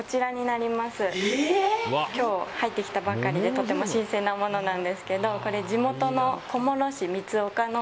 今日入ってきたばかりでとても新鮮なものなんですけど。